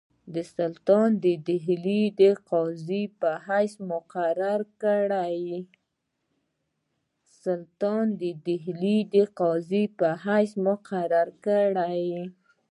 سلطان د ډهلي د قاضي په حیث مقرر کړی یې.